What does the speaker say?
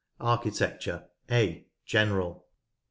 Architecture — (a) General.